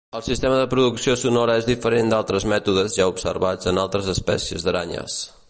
El sistema de producció sonora és diferent d'altres mètodes ja observats en altres espècies d'aranyes.